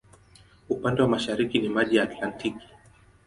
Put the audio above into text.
Upande wa mashariki maji ya Atlantiki.